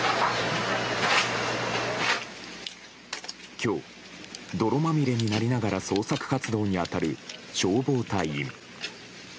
今日、泥まみれになりながら捜索活動に当たる消防隊員。